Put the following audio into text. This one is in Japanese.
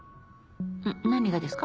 ん何がですか？